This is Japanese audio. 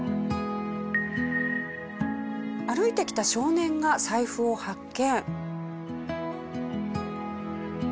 歩いてきた少年が財布を発見。